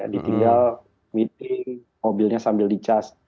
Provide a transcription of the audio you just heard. ditinggal meeting mobilnya sambil di charge